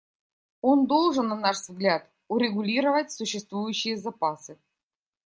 Он должен, на наш взгляд, урегулировать существующие запасы.